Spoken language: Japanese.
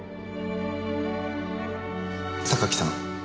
榊さん。